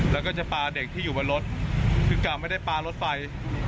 แล้วก็จะปลาเด็กที่อยู่บนรถคือกลับไม่ได้ปลารถไฟ